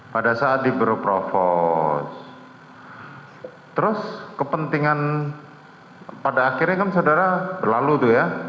pada saat di biro propos terus kepentingan pada akhirnya kan saudara berlalu tuh ya